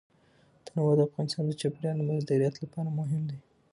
تنوع د افغانستان د چاپیریال د مدیریت لپاره مهم دي.